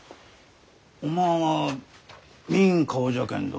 おまんは見ん顔じゃけんど。